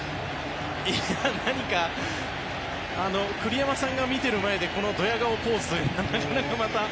何か、栗山さんが見ている前でこのドヤ顔ポーズというのはなかなかまた。